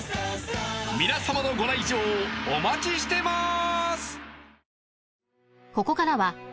［皆さまのご来場お待ちしてます！］